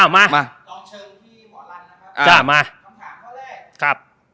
มา